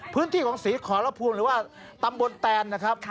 พื้นที่ของศรีขอรภูมิหรือว่าตำบลแตนนะครับ